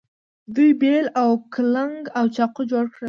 دوی بیل او کلنګ او چاقو جوړ کړل.